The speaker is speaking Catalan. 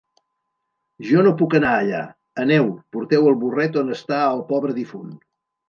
Jo no puc anar allà. Aneu, porteu el burret on està el pobre difunt.